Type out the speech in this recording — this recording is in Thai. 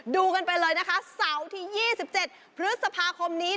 ดูกันไปเลยนะคะเสาร์ที่๒๗พฤษภาคมนี้